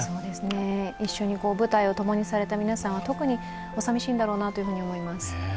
一緒に舞台をともにされた皆さんは特にさみしいんだろうなというふうに思います。